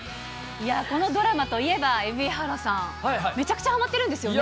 いや、このドラマといえば、蛯原さん、めちゃくちゃはまってるんですよね。